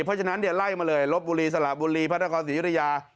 เพราะฉะนั้นเนี้ยไร่มาเลยลบบุรีสละบุรีพระราชาศิริยา